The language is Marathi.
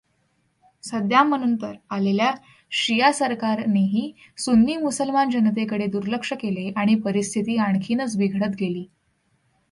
सद्दामनंतर आलेल्या शिया सरकारनेही सुन्नी मुसलमान जनतेकडे दुर्लक्ष केले, आणि परिस्थिती आणखीनच बिघडत गेली.